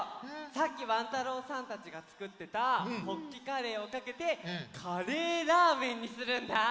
さっきワン太郎さんたちがつくってたホッキカレーをかけてカレーラーメンにするんだ！